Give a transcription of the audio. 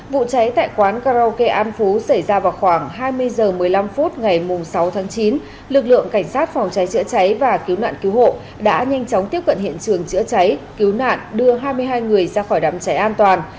vụ cháy tại quán karaoke an phú xảy ra vào khoảng hai mươi h một mươi năm phút ngày sáu tháng chín lực lượng cảnh sát phòng cháy chữa cháy và cứu nạn cứu hộ đã nhanh chóng tiếp cận hiện trường chữa cháy cứu nạn đưa hai mươi hai người ra khỏi đám cháy an toàn